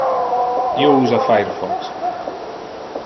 Io usa Firefox.